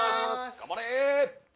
頑張れ！